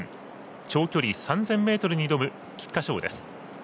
長距離３０００ｍに挑む菊花賞です。